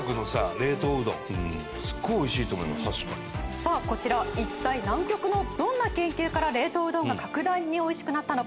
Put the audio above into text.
さあこちらは一体南極のどんな研究から冷凍うどんが格段に美味しくなったのか？